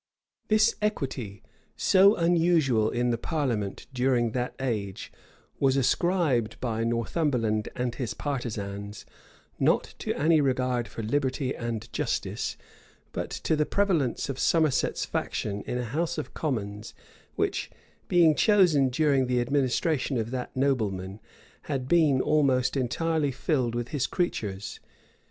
This equity, so unusual in the parliament during that age, was ascribed, by Northumberland and his partisans, not to any regard for liberty and justice, but to the prevalence of Somerset's faction in a house of commons which, being chosen during the administration of that nobleman, had been almost entirely filled with his creatures.